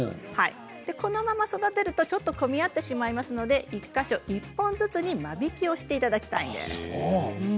このまま育てると、ちょっと込み合ってしまいますので１か所１本ずつに間引きをしていただきたいんです。